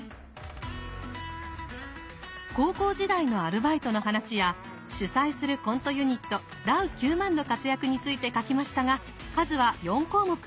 高校時代のアルバイトの話や主宰するコントユニットダウ９００００の活躍について書きましたが数は４項目。